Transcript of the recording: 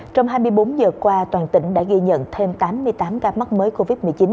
trong hai mươi bốn giờ qua toàn tỉnh đã ghi nhận thêm tám mươi tám ca mắc mới covid một mươi chín